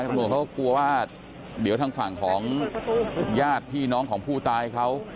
ตำรวจเขาก็กลัวว่าเดี๋ยวทางฝั่งของญาติพี่น้องของผู้ตายเขา